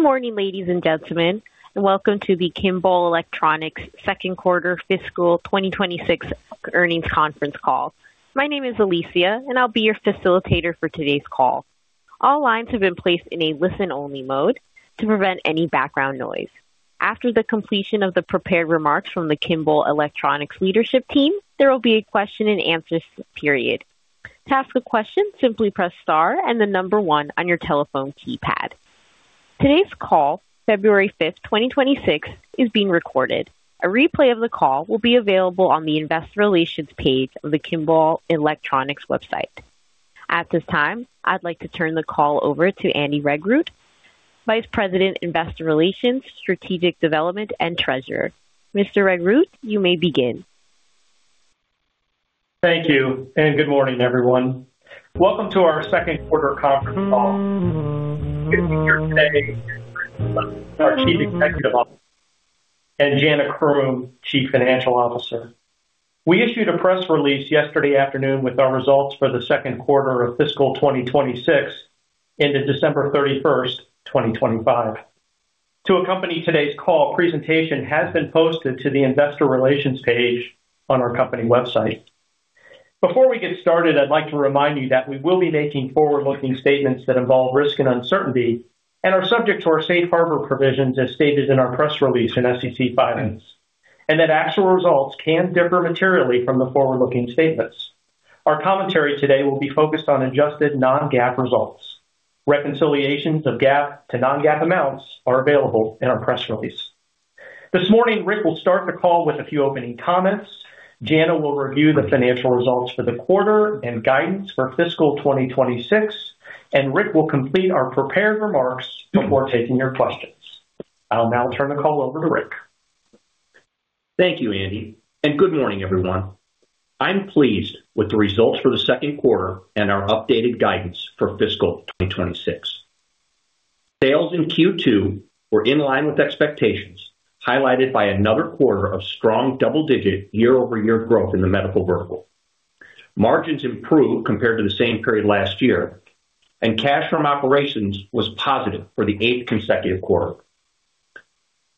Good morning, ladies and gentlemen, and welcome to the Kimball Electronics second quarter fiscal 2026 earnings conference call. My name is Alicia, and I'll be your facilitator for today's call. All lines have been placed in a listen-only mode to prevent any background noise. After the completion of the prepared remarks from the Kimball Electronics leadership team, there will be a question-and-answer period. To ask a question, simply press star and the number one on your telephone keypad. Today's call, February 5, 2026, is being recorded. A replay of the call will be available on the Investor Relations page of the Kimball Electronics website. At this time, I'd like to turn the call over to Andy Regrut, Vice President Investor Relations, Strategic Development, and Treasurer. Mr. Regrut, you may begin. Thank you, and good morning, everyone. Welcome to our second quarter conference call. With us today is Ric Phillips, Chief Executive Officer, and Jana Croom, Chief Financial Officer. We issued a press release yesterday afternoon with our results for the second quarter of fiscal 2026 ending December 31, 2025. To accompany today's call, a presentation has been posted to the Investor Relations page on our company website. Before we get started, I'd like to remind you that we will be making forward-looking statements that involve risk and uncertainty and are subject to our safe harbor provisions as stated in our press release and SEC filings, and that actual results can differ materially from the forward-looking statements. Our commentary today will be focused on adjusted non-GAAP results. Reconciliations of GAAP to non-GAAP amounts are available in our press release. This morning, Ric will start the call with a few opening comments. Jana will review the financial results for the quarter and guidance for fiscal 2026, and Ric will complete our prepared remarks before taking your questions. I'll now turn the call over to Ric. Thank you, Andy, and good morning, everyone. I'm pleased with the results for the second quarter and our updated guidance for fiscal 2026. Sales in Q2 were in line with expectations, highlighted by another quarter of strong double-digit year-over-year growth in the medical vertical. Margins improved compared to the same period last year, and cash from operations was positive for the eighth consecutive quarter.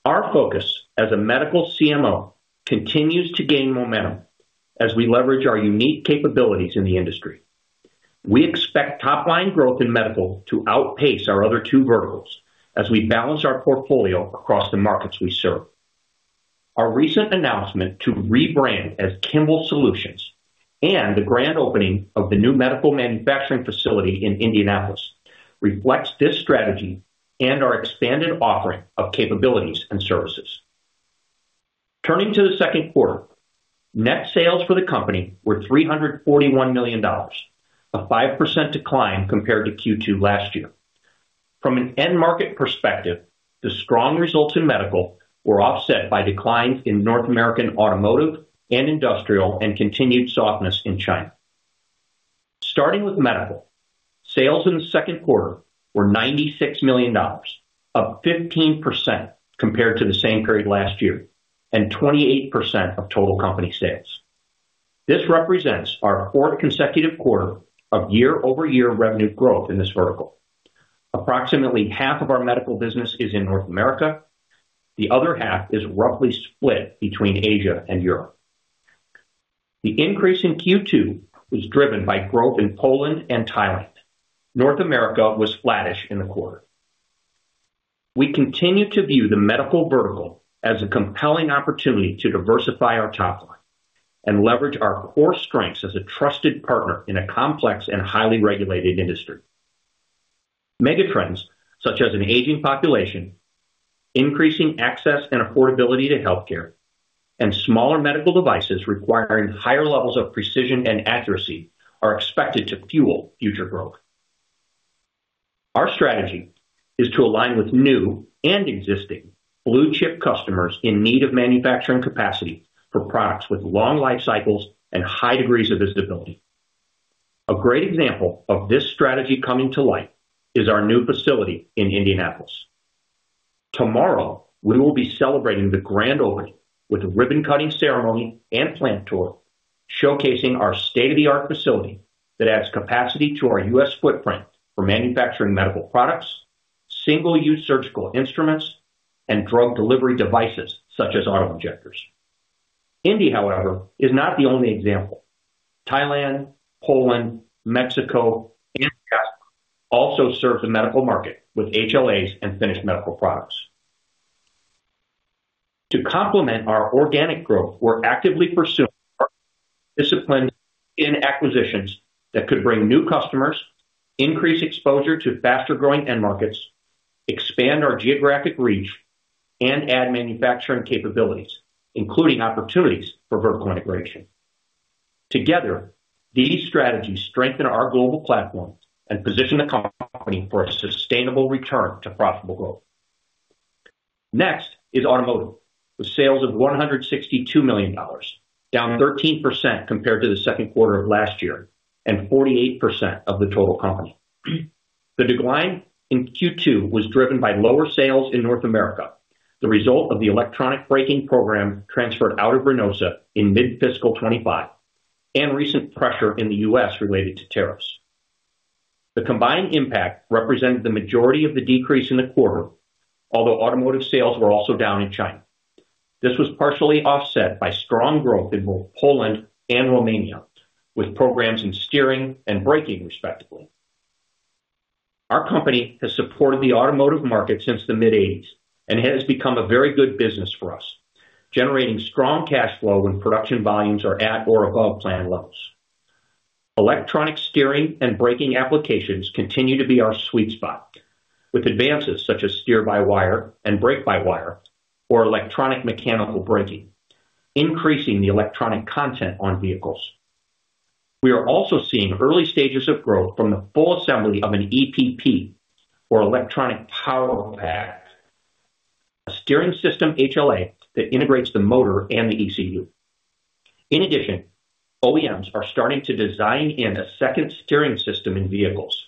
Our focus as a medical CMO continues to gain momentum as we leverage our unique capabilities in the industry. We expect top-line growth in medical to outpace our other two verticals as we balance our portfolio across the markets we serve. Our recent announcement to rebrand as Kimball Solutions and the grand opening of the new medical manufacturing facility in Indianapolis reflects this strategy and our expanded offering of capabilities and services. Turning to the second quarter, net sales for the company were $341 million, a 5% decline compared to Q2 last year. From an end-market perspective, the strong results in medical were offset by declines in North American automotive and industrial and continued softness in China. Starting with medical, sales in the second quarter were $96 million, up 15% compared to the same period last year and 28% of total company sales. This represents our fourth consecutive quarter of year-over-year revenue growth in this vertical. Approximately half of our medical business is in North America. The other half is roughly split between Asia and Europe. The increase in Q2 was driven by growth in Poland and Thailand. North America was flattish in the quarter. We continue to view the medical vertical as a compelling opportunity to diversify our top-line and leverage our core strengths as a trusted partner in a complex and highly regulated industry. Megatrends such as an aging population, increasing access and affordability to healthcare, and smaller medical devices requiring higher levels of precision and accuracy are expected to fuel future growth. Our strategy is to align with new and existing blue-chip customers in need of manufacturing capacity for products with long life cycles and high degrees of visibility. A great example of this strategy coming to light is our new facility in Indianapolis. Tomorrow, we will be celebrating the grand opening with a ribbon-cutting ceremony and plant tour showcasing our state-of-the-art facility that adds capacity to our U.S. footprint for manufacturing medical products, single-use surgical instruments, and drug delivery devices such as auto-injectors. Indianapolis, however, is not the only example. Thailand, Poland, Mexico, and Jasper also serve the medical market with HLAs and finished medical products. To complement our organic growth, we're actively pursuing disciplined acquisitions that could bring new customers, increase exposure to faster-growing end markets, expand our geographic reach, and add manufacturing capabilities, including opportunities for vertical integration. Together, these strategies strengthen our global platform and position the company for a sustainable return to profitable growth. Next is automotive, with sales of $162 million, down 13% compared to the second quarter of last year and 48% of the total company. The decline in Q2 was driven by lower sales in North America, the result of the electronic braking program transferred out of Reynosa in mid-fiscal 2025, and recent pressure in the U.S. related to tariffs. The combined impact represented the majority of the decrease in the quarter, although automotive sales were also down in China. This was partially offset by strong growth in both Poland and Romania, with programs in steering and braking, respectively. Our company has supported the automotive market since the mid-'80s and has become a very good business for us, generating strong cash flow when production volumes are at or above planned levels. Electronic steering and braking applications continue to be our sweet spot, with advances such as steer-by-wire and brake-by-wire, or electromechanical braking, increasing the electronic content on vehicles. We are also seeing early stages of growth from the full assembly of an EPP, or electronic power pack, a steering system HLA that integrates the motor and the ECU. In addition, OEMs are starting to design in a second steering system in vehicles,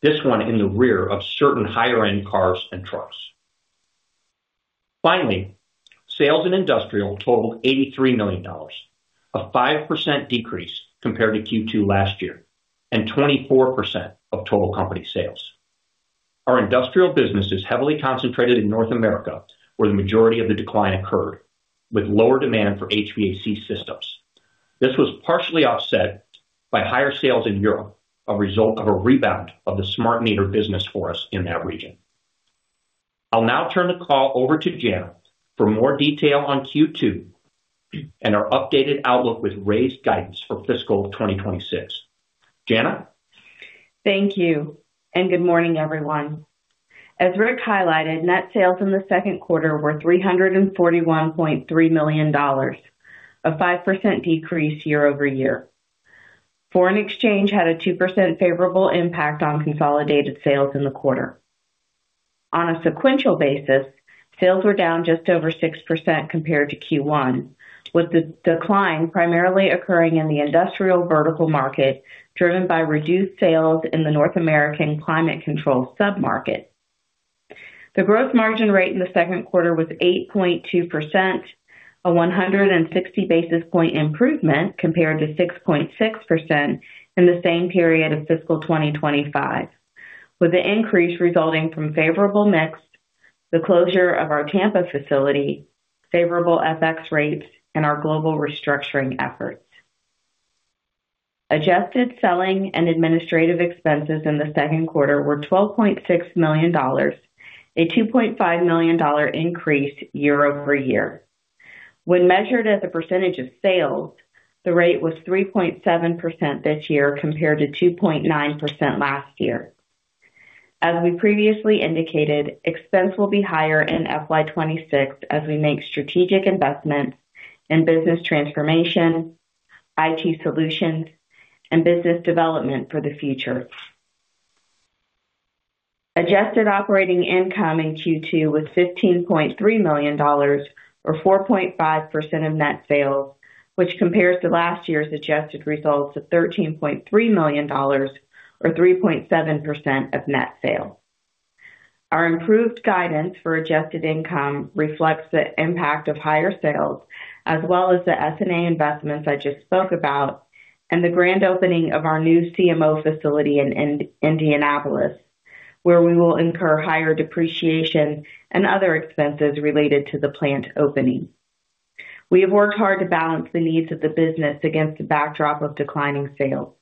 this one in the rear of certain higher-end cars and trucks. Finally, sales in industrial totaled $83 million, a 5% decrease compared to Q2 last year and 24% of total company sales. Our industrial business is heavily concentrated in North America, where the majority of the decline occurred, with lower demand for HVAC systems. This was partially offset by higher sales in Europe, a result of a rebound of the smart meter business for us in that region. I'll now turn the call over to Jana for more detail on Q2 and our updated outlook with raised guidance for fiscal 2026. Jana? Thank you, and good morning, everyone. As Ric highlighted, net sales in the second quarter were $341.3 million, a 5% decrease year-over-year. Foreign exchange had a 2% favorable impact on consolidated sales in the quarter. On a sequential basis, sales were down just over 6% compared to Q1, with the decline primarily occurring in the industrial vertical market driven by reduced sales in the North American climate control submarket. The gross margin rate in the second quarter was 8.2%, a 160 basis point improvement compared to 6.6% in the same period of fiscal 2025, with the increase resulting from favorable mix, the closure of our Tampa facility, favorable FX rates, and our global restructuring efforts. Adjusted selling and administrative expenses in the second quarter were $12.6 million, a $2.5 million increase year-over-year. When measured as a percentage of sales, the rate was 3.7% this year compared to 2.9% last year. As we previously indicated, expense will be higher in FY26 as we make strategic investments in business transformation, IT solutions, and business development for the future. Adjusted operating income in Q2 was $15.3 million, or 4.5% of net sales, which compares to last year's adjusted results of $13.3 million, or 3.7% of net sales. Our improved guidance for adjusted income reflects the impact of higher sales, as well as the S&A investments I just spoke about, and the grand opening of our new CMO facility in Indianapolis, where we will incur higher depreciation and other expenses related to the plant opening. We have worked hard to balance the needs of the business against the backdrop of declining sales.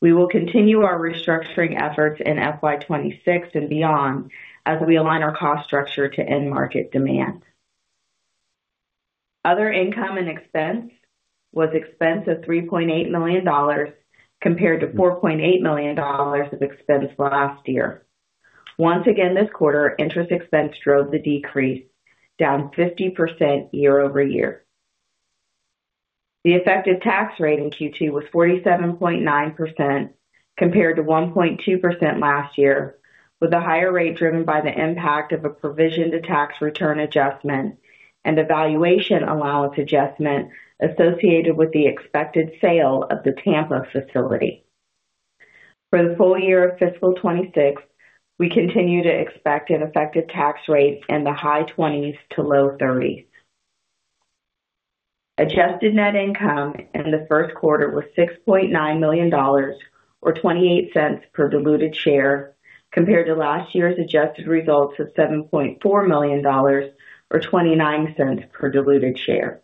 We will continue our restructuring efforts in FY26 and beyond as we align our cost structure to end-market demand. Other income and expense was expense of $3.8 million compared to $4.8 million of expense last year. Once again, this quarter, interest expense drove the decrease, down 50% year-over-year. The effective tax rate in Q2 was 47.9% compared to 1.2% last year, with a higher rate driven by the impact of a provision-to-tax-return adjustment and valuation allowance adjustment associated with the expected sale of the Tampa facility. For the full year of fiscal 2026, we continue to expect an effective tax rate in the high 20s to low 30s. Adjusted net income in the first quarter was $6.9 million, or $0.28 per diluted share, compared to last year's adjusted results of $7.4 million, or $0.29 per diluted share.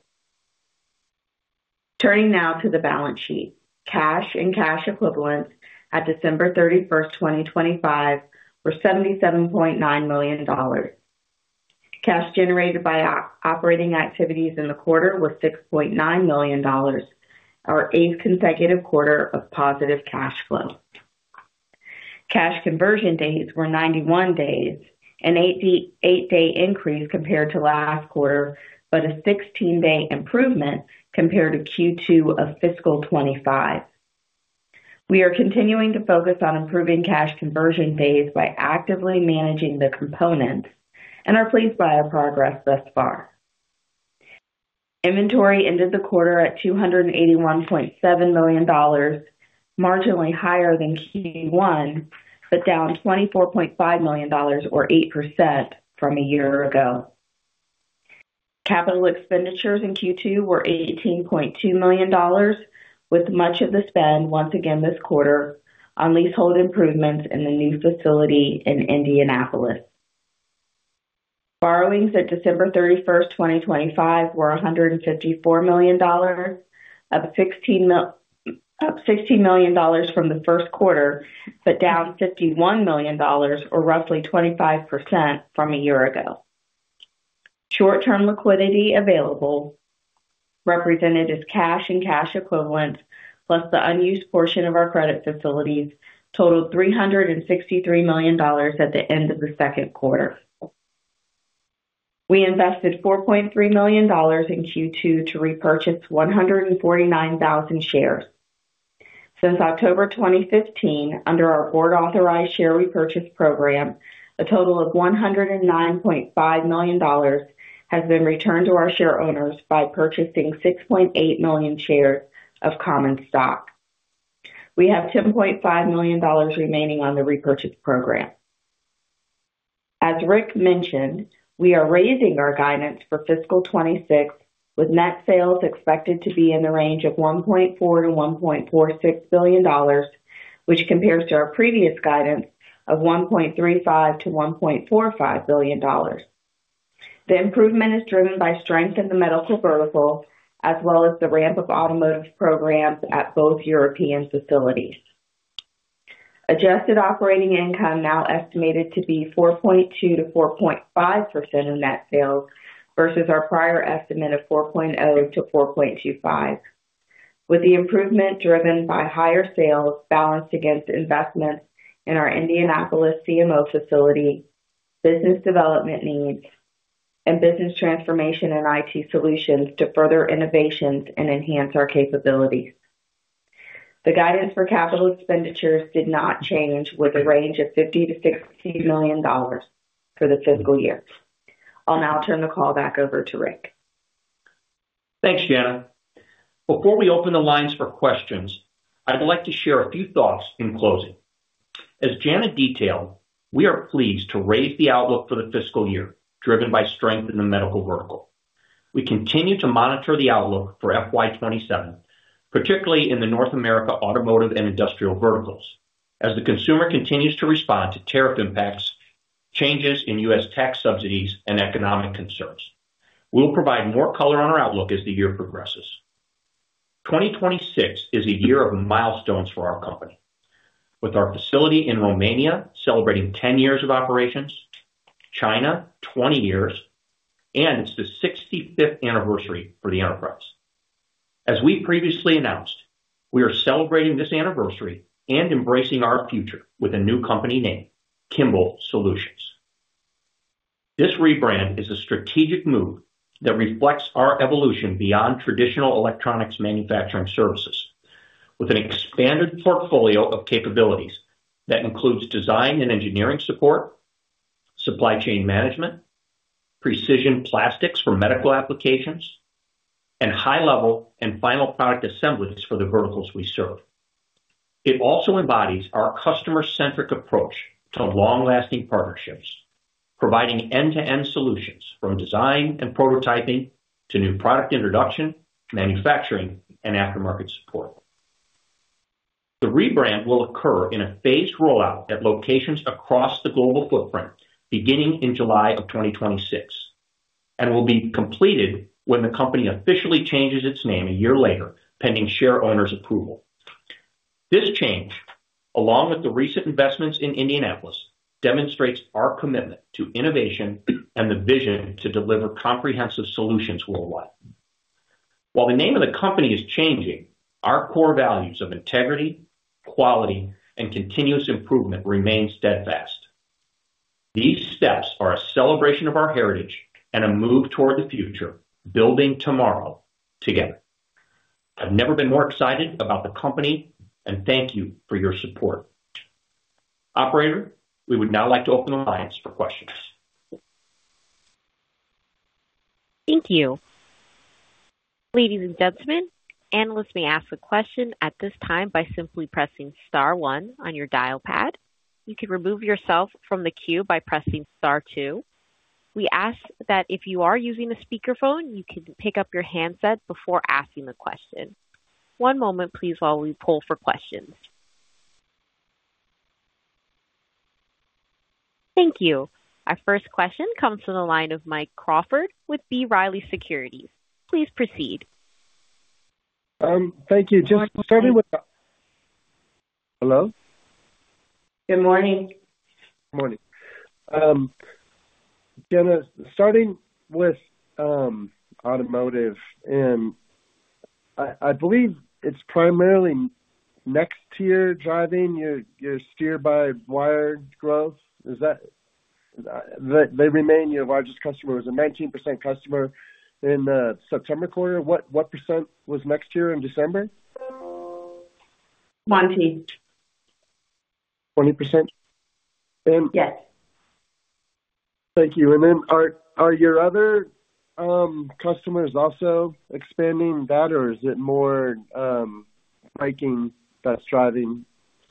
Turning now to the balance sheet. Cash and cash equivalents at December 31, 2025, were $77.9 million. Cash generated by operating activities in the quarter was $6.9 million, our eighth consecutive quarter of positive cash flow. Cash conversion days were 91 days, an 8-day increase compared to last quarter, but a 16-day improvement compared to Q2 of fiscal 2025. We are continuing to focus on improving cash conversion days by actively managing the components and are pleased by our progress thus far. Inventory ended the quarter at $281.7 million, marginally higher than Q1 but down $24.5 million, or 8%, from a year ago. Capital expenditures in Q2 were $18.2 million, with much of the spend, once again this quarter, on leasehold improvements in the new facility in Indianapolis. Borrowings at December 31, 2025, were $154 million, up $16 million from the first quarter but down $51 million, or roughly 25%, from a year ago. Short-term liquidity available, represented as cash and cash equivalents plus the unused portion of our credit facilities, totaled $363 million at the end of the second quarter. We invested $4.3 million in Q2 to repurchase 149,000 shares. Since October 2015, under our board-authorized share repurchase program, a total of $109.5 million has been returned to our shareholders by purchasing 6.8 million shares of common stock. We have $10.5 million remaining on the repurchase program. As Ric mentioned, we are raising our guidance for fiscal 2026 with net sales expected to be in the range of $1.4-$1.46 billion, which compares to our previous guidance of $1.35-$1.45 billion. The improvement is driven by strength in the medical vertical as well as the ramp-up automotive programs at both European facilities. Adjusted operating income now estimated to be 4.2%-4.5% of net sales versus our prior estimate of 4.0%-4.25%, with the improvement driven by higher sales balanced against investments in our Indianapolis CMO facility, business development needs, and business transformation and IT solutions to further innovations and enhance our capabilities. The guidance for capital expenditures did not change, with a range of $50-$60 million for the fiscal year. I'll now turn the call back over to Ric. Thanks, Jana. Before we open the lines for questions, I'd like to share a few thoughts in closing. As Jana detailed, we are pleased to raise the outlook for the fiscal year driven by strength in the medical vertical. We continue to monitor the outlook for FY27, particularly in the North America automotive and industrial verticals, as the consumer continues to respond to tariff impacts, changes in U.S. tax subsidies, and economic concerns. We'll provide more color on our outlook as the year progresses. 2026 is a year of milestones for our company, with our facility in Romania celebrating 10 years of operations, China 20 years, and it's the 65th anniversary for the enterprise. As we previously announced, we are celebrating this anniversary and embracing our future with a new company name, Kimball Solutions. This rebrand is a strategic move that reflects our evolution beyond traditional electronics manufacturing services, with an expanded portfolio of capabilities that includes design and engineering support, supply chain management, precision plastics for medical applications, and high-level and final product assemblies for the verticals we serve. It also embodies our customer-centric approach to long-lasting partnerships, providing end-to-end solutions from design and prototyping to new product introduction, manufacturing, and aftermarket support. The rebrand will occur in a phased rollout at locations across the global footprint beginning in July of 2026 and will be completed when the company officially changes its name a year later pending shareholders' approval. This change, along with the recent investments in Indianapolis, demonstrates our commitment to innovation and the vision to deliver comprehensive solutions worldwide. While the name of the company is changing, our core values of integrity, quality, and continuous improvement remain steadfast. These steps are a celebration of our heritage and a move toward the future, building tomorrow together. I've never been more excited about the company, and thank you for your support. Operator, we would now like to open the lines for questions. Thank you. Ladies and gentlemen, analysts may ask a question at this time by simply pressing star one on your dial pad. You can remove yourself from the queue by pressing star two. We ask that if you are using a speakerphone, you can pick up your handset before asking the question. One moment, please, while we pull for questions. Thank you. Our first question comes from the line of Mike Crawford with B. Riley Securities. Please proceed. Thank you. Just starting with... hello? Good morning. Good morning. Jana, starting with automotive, and I believe it's primarily Nexteer driving. Your steer-by-wire growth. They remain your largest customer. It was a 19% customer in the September quarter. What percent was Nexteer in December? 20. 20%? Yes. Thank you. And then are your other customers also expanding that, or is it more braking that's driving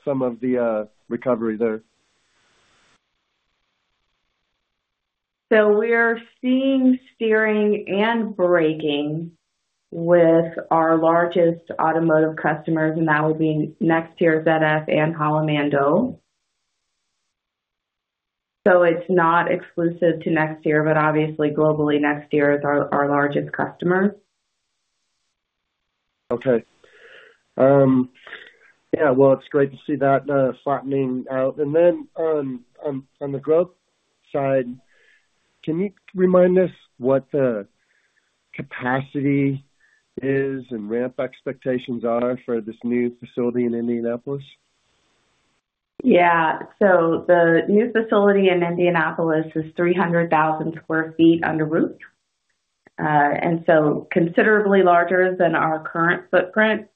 some of the recovery there? So we are seeing steering and braking with our largest automotive customers, and that would be Nexteer, ZF, and HL Mando. So it's not exclusive to Nexteer, but obviously, globally, Nexteer is our largest customer. Okay. Yeah, well, it's great to see that flattening out. And then on the growth side, can you remind us what the capacity is and ramp expectations are for this new facility in Indianapolis? Yeah. So the new facility in Indianapolis is 300,000 sq ft under roof, and so considerably larger than our current footprint.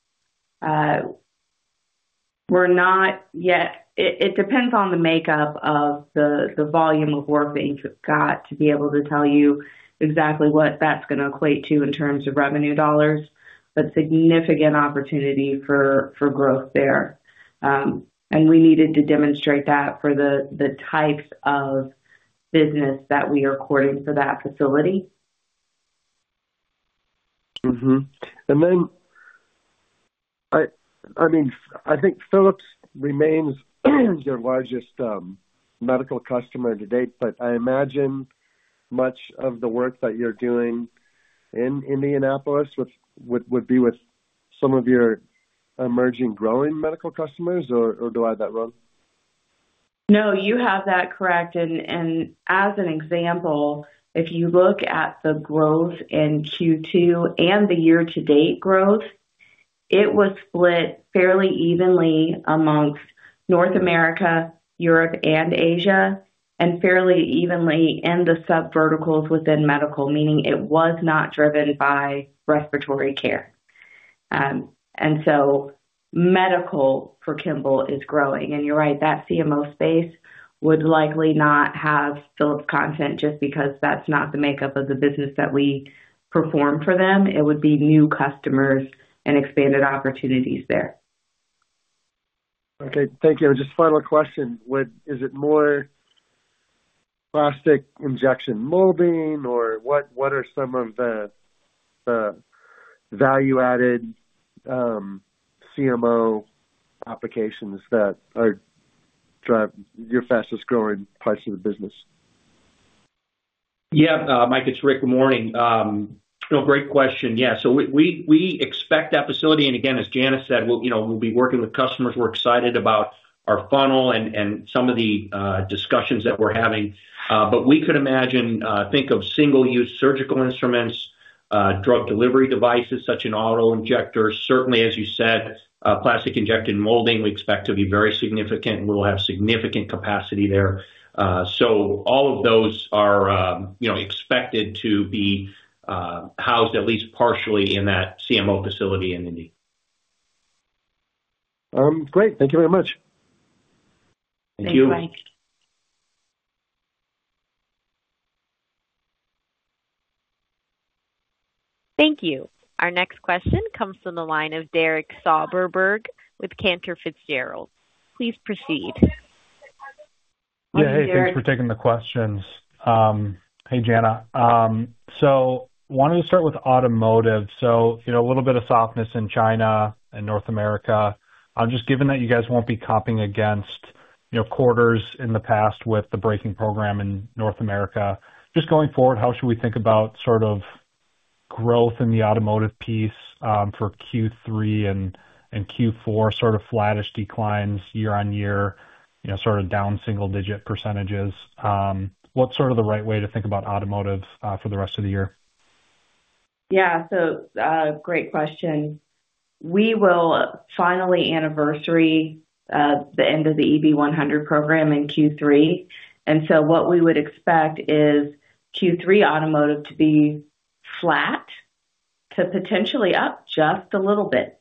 It depends on the makeup of the volume of work that you've got to be able to tell you exactly what that's going to equate to in terms of revenue dollars, but significant opportunity for growth there. And we needed to demonstrate that for the types of business that we are courting for that facility. And then, I mean, I think Philips remains your largest medical customer to date, but I imagine much of the work that you're doing in Indianapolis would be with some of your emerging growing medical customers, or do I have that wrong? No, you have that correct. And as an example, if you look at the growth in Q2 and the year-to-date growth, it was split fairly evenly amongst North America, Europe, and Asia, and fairly evenly in the subverticals within medical, meaning it was not driven by respiratory care. And so medical for Kimball is growing. And you're right, that CMO space would likely not have Philips content just because that's not the makeup of the business that we perform for them. It would be new customers and expanded opportunities there. Okay. Thank you. And just final question, is it more plastic injection molding, or what are some of the value-added CMO applications that are your fastest-growing parts of the business? Yeah, Mike, it's Ric. Good morning. Great question. Yeah, so we expect that facility, and again, as Jana said, we'll be working with customers. We're excited about our funnel and some of the discussions that we're having. But we could imagine think of single-use surgical instruments, drug delivery devices such as auto-injectors. Certainly, as you said, plastic injection molding, we expect to be very significant, and we'll have significant capacity there. So all of those are expected to be housed at least partially in that CMO facility in Indy. Great. Thank you very much. Thank you. Thanks, Mike. Thank you. Our next question comes from the line of Derek Soderberg with Cantor Fitzgerald. Please proceed. Hey, thanks for taking the questions. Hey, Jana. So wanted to start with automotive. So a little bit of softness in China and North America. Just given that you guys won't be comping against quarters in the past with the braking program in North America, just going forward, how should we think about sort of growth in the automotive piece for Q3 and Q4, sort of flattish declines year-over-year, sort of down single-digit percentages? What's sort of the right way to think about automotive for the rest of the year? Yeah, so great question. We will finally anniversary the end of the EB100 program in Q3. And so what we would expect is Q3 automotive to be flat to potentially up just a little bit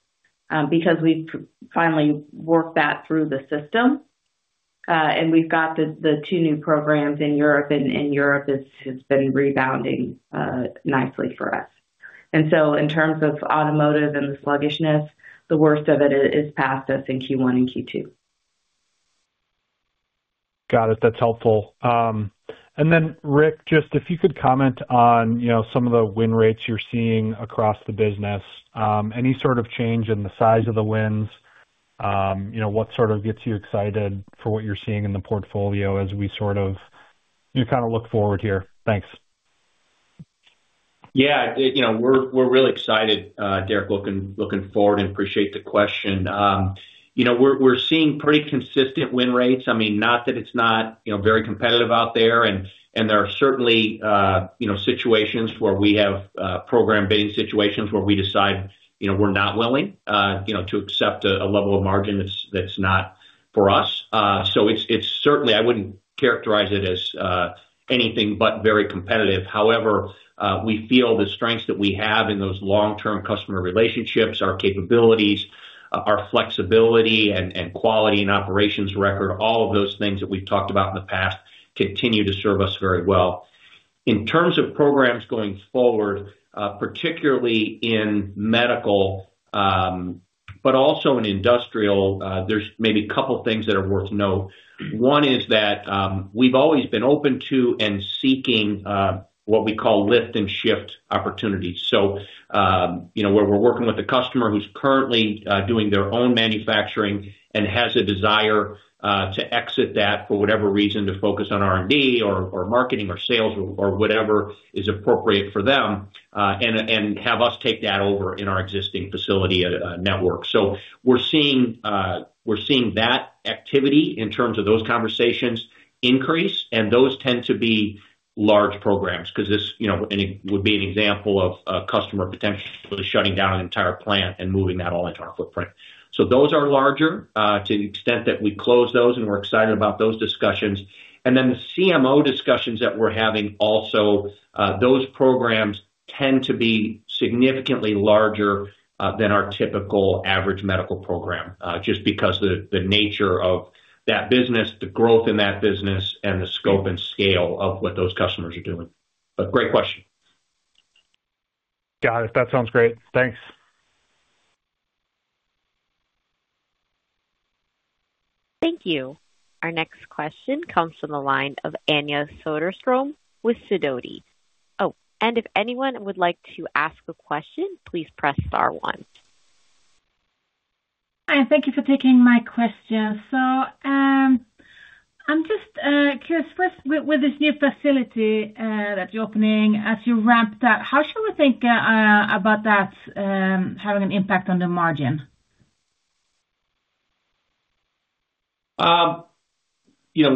because we've finally worked that through the system. And we've got the two new programs in Europe, and Europe has been rebounding nicely for us. And so in terms of automotive and the sluggishness, the worst of it is past us in Q1 and Q2. Got it. That's helpful. And then, Ric, just if you could comment on some of the win rates you're seeing across the business, any sort of change in the size of the wins? What sort of gets you excited for what you're seeing in the portfolio as we sort of kind of look forward here? Thanks. Yeah, we're really excited, Derek, looking forward and appreciate the question. We're seeing pretty consistent win rates. I mean, not that it's not very competitive out there. There are certainly situations where we have program bidding situations where we decide we're not willing to accept a level of margin that's not for us. So certainly, I wouldn't characterize it as anything but very competitive. However, we feel the strengths that we have in those long-term customer relationships, our capabilities, our flexibility and quality and operations record, all of those things that we've talked about in the past continue to serve us very well. In terms of programs going forward, particularly in medical but also in industrial, there's maybe a couple of things that are worth note. One is that we've always been open to and seeking what we call lift and shift opportunities. Where we're working with a customer who's currently doing their own manufacturing and has a desire to exit that for whatever reason, to focus on R&D or marketing or sales or whatever is appropriate for them, and have us take that over in our existing facility network. We're seeing that activity in terms of those conversations increase, and those tend to be large programs because this would be an example of a customer potentially shutting down an entire plant and moving that all into our footprint. Those are larger to the extent that we close those, and we're excited about those discussions. And then the CMO discussions that we're having also, those programs tend to be significantly larger than our typical average medical program just because of the nature of that business, the growth in that business, and the scope and scale of what those customers are doing. But great question. Got it. That sounds great. Thanks. Thank you. Our next question comes from the line of Anja Soderstrom with Sidoti. Oh, and if anyone would like to ask a question, please press star 1. Hi. Thank you for taking my question. So I'm just curious, with this new facility that you're opening, as you ramped up, how should we think about that having an impact on the margin?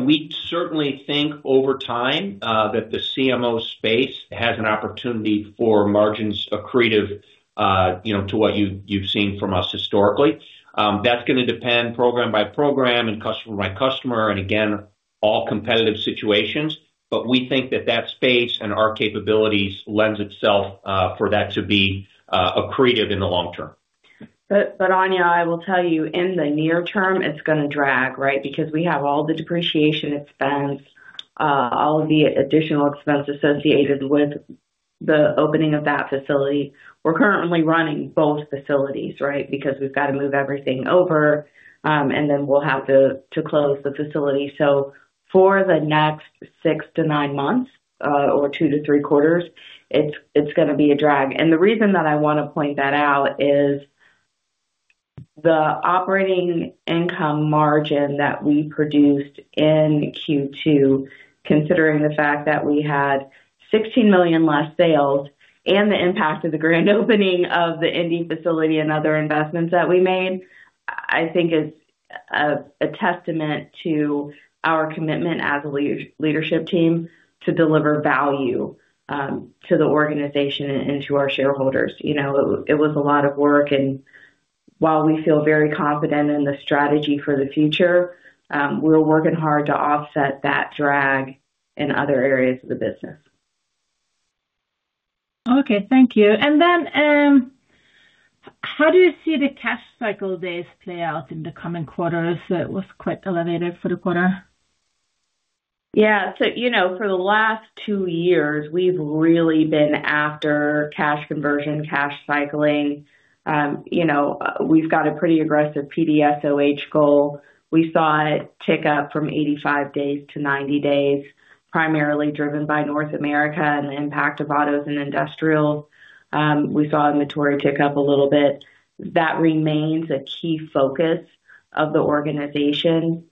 We certainly think over time that the CMO space has an opportunity for margins accretive to what you've seen from us historically. That's going to depend program by program and customer by customer and, again, all competitive situations. But we think that that space and our capabilities lend itself for that to be accretive in the long term. But Anja, I will tell you, in the near term, it's going to drag, right, because we have all the depreciation expense, all of the additional expense associated with the opening of that facility. We're currently running both facilities, right, because we've got to move everything over, and then we'll have to close the facility. So for the next 6-9 months or 2-3 quarters, it's going to be a drag. And the reason that I want to point that out is the operating income margin that we produced in Q2, considering the fact that we had $16 million less sales and the impact of the grand opening of the Indy facility and other investments that we made, I think is a testament to our commitment as a leadership team to deliver value to the organization and to our shareholders. It was a lot of work. While we feel very confident in the strategy for the future, we're working hard to offset that drag in other areas of the business. Okay. Thank you. And then how do you see the cash cycle days play out in the coming quarters? It was quite elevated for the quarter. Yeah. So for the last two years, we've really been after cash conversion, cash cycling. We've got a pretty aggressive PDSOH goal. We saw it tick up from 85 days to 90 days, primarily driven by North America and the impact of autos and industrials. We saw inventory tick up a little bit. That remains a key focus of the organization.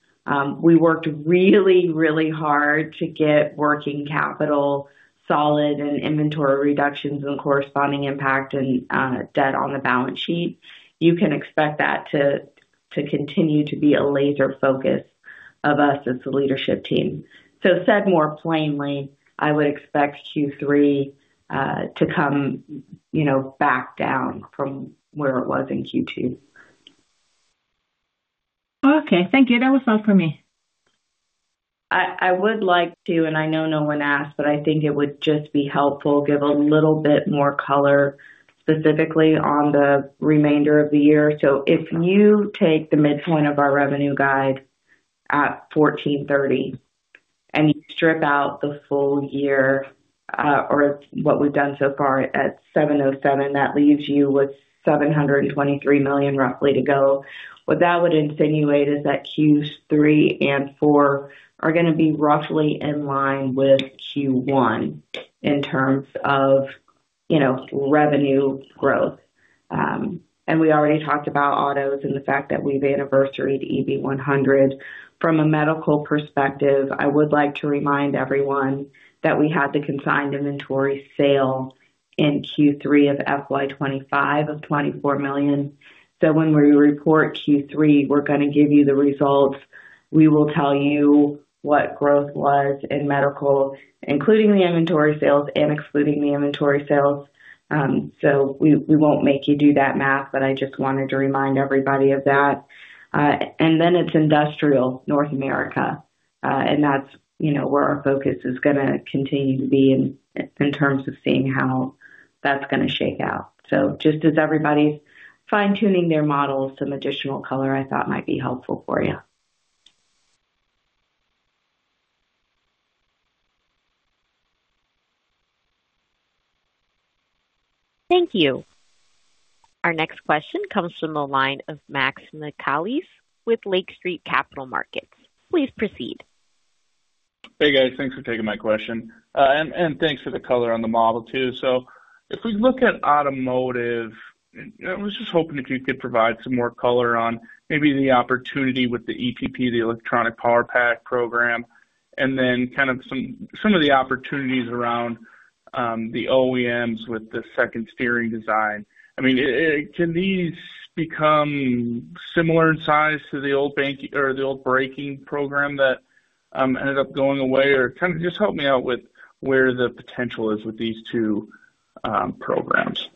We worked really, really hard to get working capital solid and inventory reductions and corresponding impact and debt on the balance sheet. You can expect that to continue to be a laser focus of us as the leadership team. So said more plainly, I would expect Q3 to come back down from where it was in Q2. Okay. Thank you. That was all from me. I would like to, and I know no one asked, but I think it would just be helpful to give a little bit more color specifically on the remainder of the year. So if you take the midpoint of our revenue guide at $1,430 and you strip out the full year or what we've done so far at $707, that leaves you with $723 million roughly to go. What that would insinuate is that Q3 and 4 are going to be roughly in line with Q1 in terms of revenue growth. And we already talked about autos and the fact that we've anniversaried EB100. From a medical perspective, I would like to remind everyone that we had the consigned inventory sale in Q3 of FY2025 of $24 million. So when we report Q3, we're going to give you the results. We will tell you what growth was in medical, including the inventory sales and excluding the inventory sales. So we won't make you do that math, but I just wanted to remind everybody of that. Then it's industrial, North America. That's where our focus is going to continue to be in terms of seeing how that's going to shake out. So just as everybody's fine-tuning their models, some additional color I thought might be helpful for you. Thank you. Our next question comes from the line of Max Michaelis with Lake Street Capital Markets. Please proceed. Hey, guys. Thanks for taking my question. Thanks for the color on the model too. If we look at automotive, I was just hoping if you could provide some more color on maybe the opportunity with the EPP, the electronic power pack program, and then kind of some of the opportunities around the OEMs with the steer-by-wire. I mean, can these become similar in size to the old EMB or the old braking program that ended up going away? Or kind of just help me out with where the potential is with these two programs.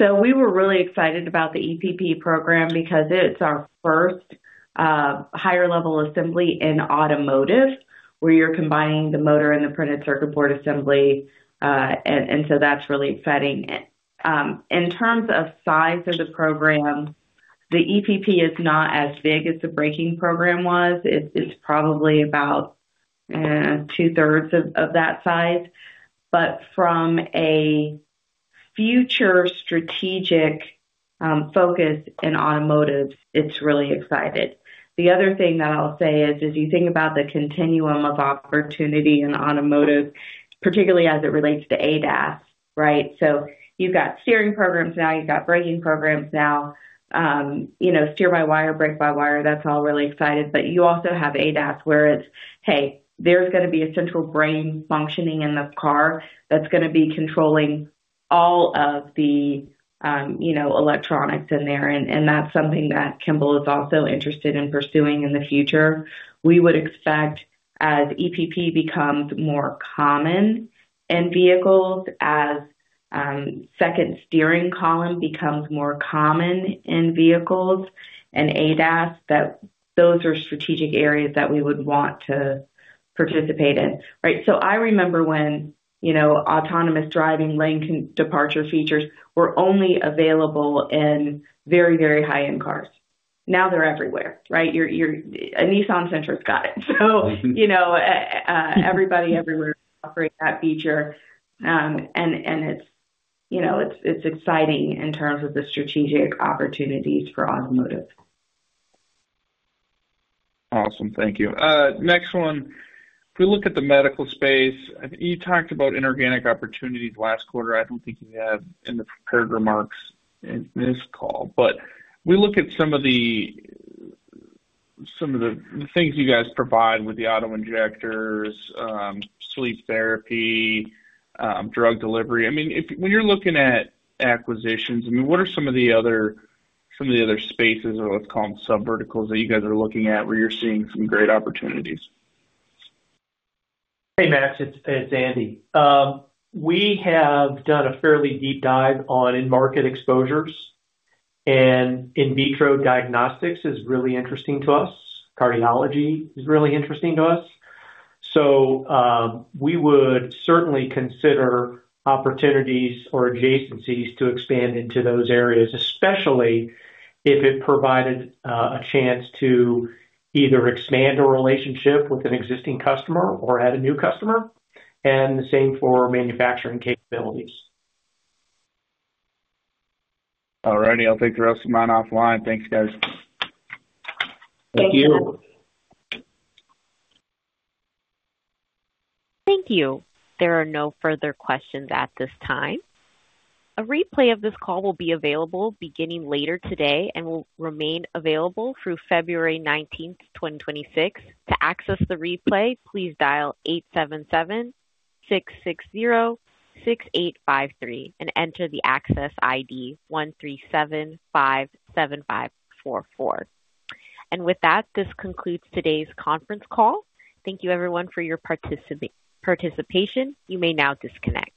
So we were really excited about the EPP program because it's our first high-level assembly in automotive where you're combining the motor and the printed circuit board assembly. And so that's really exciting. In terms of size of the program, the EPP is not as big as the braking program was. It's probably about two-thirds of that size. But from a future strategic focus in automotive, it's really exciting. The other thing that I'll say is, as you think about the continuum of opportunity in automotive, particularly as it relates to ADAS, right? So you've got steering programs now. You've got braking programs now. Steer-by-wire, brake-by-wire, that's all really exciting. But you also have ADAS where it's, "Hey, there's going to be a central brain functioning in the car that's going to be controlling all of the electronics in there." And that's something that Kimball is also interested in pursuing in the future. We would expect, as EPP becomes more common in vehicles, as second steering column becomes more common in vehicles and ADAS, that those are strategic areas that we would want to participate in, right? So I remember when autonomous driving lane departure features were only available in very, very high-end cars. Now they're everywhere, right? A Nissan Sentra's got it. So everybody everywhere is offering that feature. And it's exciting in terms of the strategic opportunities for automotive. Awesome. Thank you. Next one, if we look at the medical space, you talked about inorganic opportunities last quarter. I don't think you had in the prepared remarks in this call. But we look at some of the things you guys provide with the auto-injectors, sleep therapy, drug delivery. I mean, when you're looking at acquisitions, I mean, what are some of the other some of the other spaces or what's called subverticals that you guys are looking at where you're seeing some great opportunities? Hey, Max. It's Andy. We have done a fairly deep dive in market exposures. And in vitro diagnostics is really interesting to us. Cardiology is really interesting to us. So we would certainly consider opportunities or adjacencies to expand into those areas, especially if it provided a chance to either expand a relationship with an existing customer or add a new customer. And the same for manufacturing capabilities. All righty. I'll take the rest of mine offline. Thanks, guys. Thank you. Thank you. There are no further questions at this time. A replay of this call will be available beginning later today and will remain available through February 19th, 2026. To access the replay, please dial 877-660-6853 and enter the access ID 13757544. With that, this concludes today's conference call. Thank you, everyone, for your participation. You may now disconnect.